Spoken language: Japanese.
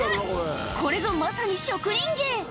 これぞ、まさに職人芸。